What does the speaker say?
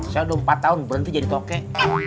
saya udah empat tahun berhenti jadi toke